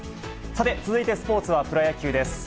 さて続いてスポーツはプロ野球です。